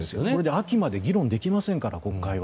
秋まで議論できませんから国会は。